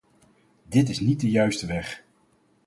Dit is niet de juiste weg!